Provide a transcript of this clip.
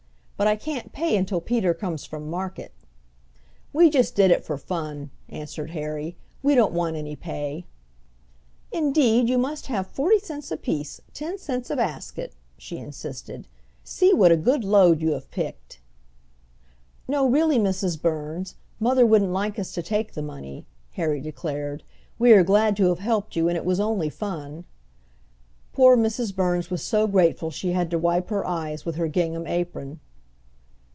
But I can't pay until Peter comes from market." "We just did it for fun," answered Harry. "We don't want any pay." "Indeed you must have forty cents apiece, ten cents a basket," she insisted. "See what a good load you have picked!" "No, really, Mrs. Burns; mother wouldn't like us to take the money," Harry declared. "We are glad to have helped you, and it was only fun." Poor Mrs. Burns was so grateful she had to wipe her eyes with her gingham apron.